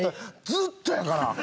ずっとやから。